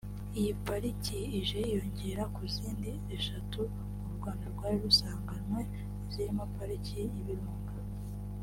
Iyi Pariki ije yiyongera ku zindi eshatu u Rwanda rwari rusanganywe zirimo Pariki y’Ibirunga